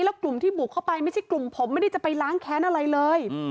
แล้วกลุ่มที่บุกเข้าไปไม่ใช่กลุ่มผมไม่ได้จะไปล้างแค้นอะไรเลย